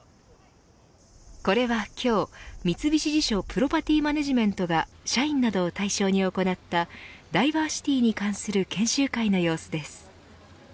これは今日、三菱地所プロパティマネジメントが社員などを対象に行ったダイバーシティに関する研修会の様子です。